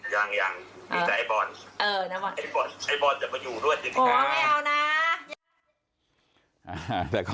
ยังมีแต่ไอ้บอลไอ้บอลจะมาอยู่ด้วยดินะครับ